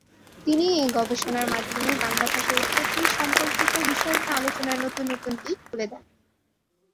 তিনি এই গবেষণার মাধ্যমে বাংলা ভাষার উৎপত্তি সম্পর্কিত বিষয় নিয়ে আলোচনার নতুন নতুন দিক খুলে দেন।